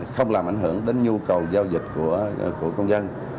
không làm ảnh hưởng đến nhu cầu giao dịch của công dân